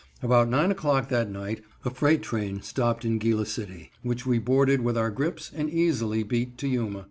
About nine o'clock that night a freight train stopped in Gila City, which we boarded with our grips and easily beat to Yuma.